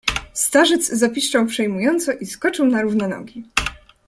"Starzec zapiszczał przejmująco i skoczył na równe nogi."